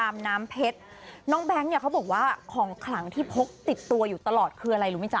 แบงค์เนี่ยเขาบอกว่าของขังที่พกติดตัวอยู่ตลอดคืออะไรรู้มั้ยจ๊ะ